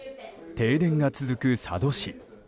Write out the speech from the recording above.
停電が続く佐渡市。